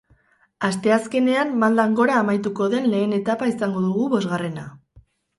Asteazkenean maldan gora amaituko den lehen etapa izango dugu bosgarrena.